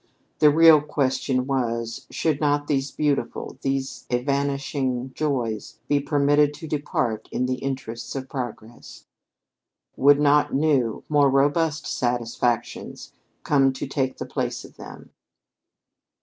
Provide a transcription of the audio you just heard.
The real question was, should not these beautiful, these evanishing joys be permitted to depart in the interests of progress? Would not new, more robust satisfactions come to take the place of them?